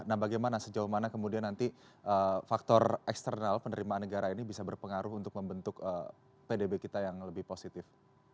nah bagaimana sejauh mana kemudian nanti faktor eksternal penerimaan negara ini bisa berpengaruh untuk membentuk pdb kita yang lebih positif